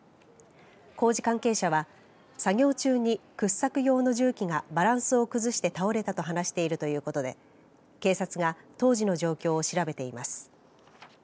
工事関係者は、作業中に掘削用の重機がバランスを崩して倒れたと話しているということで警察が当時の状況を調べています。